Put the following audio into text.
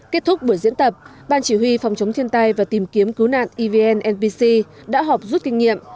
kết thúc buổi diễn tập ban chỉ huy phòng chống thiên tai và tìm kiếm cứu nạn evn npc đã họp rút kinh nghiệm